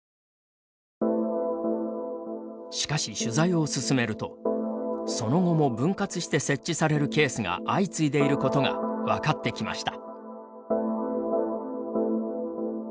しかし、取材を進めるとその後も分割して設置されるケースが相次いでいることが分かってきました。